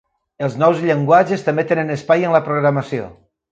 Els nous llenguatges també tenen espai en la programació.